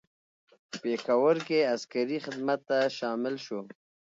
په پېښور کې عسکري خدمت ته شامل شو.